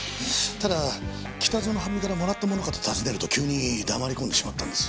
ただ北園晴美からもらったものかと尋ねると急に黙り込んでしまったんです。